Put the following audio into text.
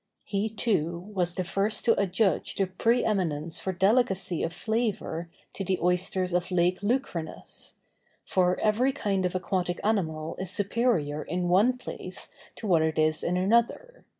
He, too, was the first to adjudge the preëminence for delicacy of flavor to the oysters of Lake Lucrinus; for every kind of aquatic animal is superior in one place to what it is in another.